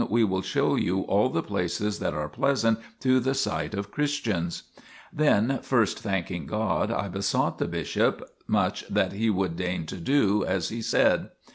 THE PILGRIMAGE OF ETHERIA 33 will show you all the places that are pleasant to the sight of Christians." Then, first thanking God, I besought the bishop much that he would deign to do as he said.